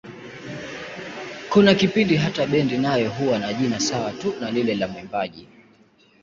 Kuna kipindi hata bendi nayo huwa na jina sawa tu na lile la mwimbaji.